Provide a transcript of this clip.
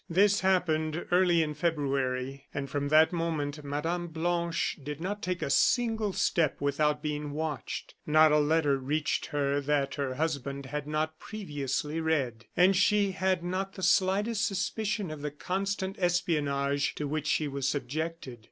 This happened early in February, and from that moment Mme. Blanche did not take a single step without being watched. Not a letter reached her that her husband had not previously read. And she had not the slightest suspicion of the constant espionage to which she was subjected.